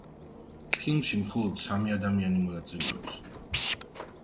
ფილმში მხოლოდ სამი ადამიანი მონაწილეობს.